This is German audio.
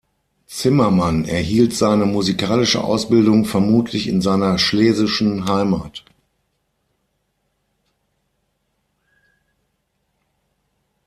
Zimmermann erhielt seine musikalische Ausbildung vermutlich in seiner schlesischen Heimat.